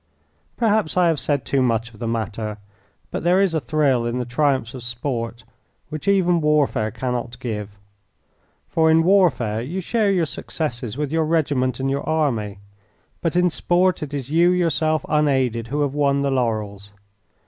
Perhaps I have said too much of the matter, but there is a thrill in the triumphs of sport which even warfare cannot give, for in warfare you share your successes with your regiment and your army, but in sport it is you yourself unaided who have won the laurels.